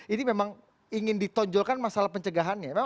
ini memang ingin ditonjolkan masalah pencegahannya